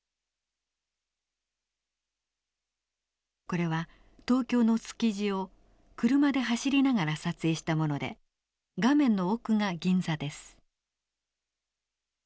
これは東京の築地を車で走りながら撮影したもので画面の奥が銀座です。